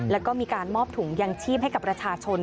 แล้วก็มีการมอบถุงยางชีพให้กับประชาชน